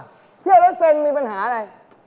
ที่เที่ยวเหรอเส้งมีปัญหาอะไร